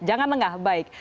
jangan lengah baik